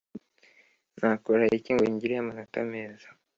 Nakora iki ngo ngire amanota meza